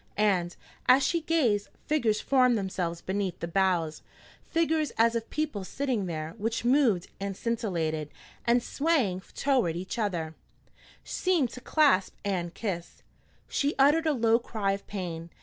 And, as she gazed, figures formed themselves beneath the boughs, figures as of people sitting there, which moved and scintillated, and, swaying toward each other, seemed to clasp and kiss. She uttered a low cry of pain.